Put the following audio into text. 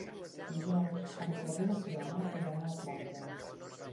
Dijous en Quer i na Fiona iran a la platja.